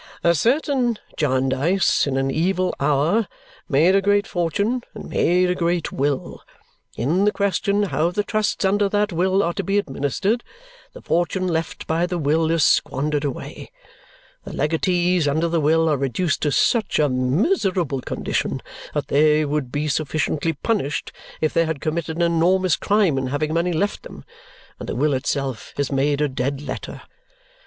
"A certain Jarndyce, in an evil hour, made a great fortune, and made a great will. In the question how the trusts under that will are to be administered, the fortune left by the will is squandered away; the legatees under the will are reduced to such a miserable condition that they would be sufficiently punished if they had committed an enormous crime in having money left them, and the will itself is made a dead letter.